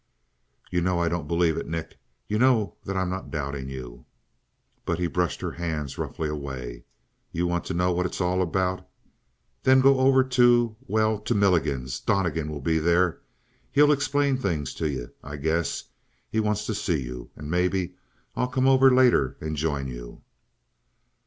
"You know I don't believe it, Nick? You know that I'm not doubting you?" But he brushed her hands roughly away. "You want to know what it's all about? Then go over to well, to Milligan's. Donnegan will be there. He'll explain things to you, I guess. He wants to see you. And maybe I'll come over later and join you."